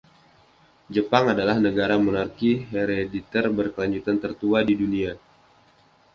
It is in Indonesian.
Jepang adalah negara monarki herediter berkelanjutan tertua di dunia.